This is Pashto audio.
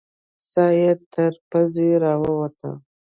ساه يې تر پزې راووته.